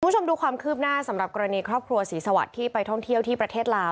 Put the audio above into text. คุณผู้ชมดูความคืบหน้าสำหรับกรณีครอบครัวศรีสวัสดิ์ที่ไปท่องเที่ยวที่ประเทศลาว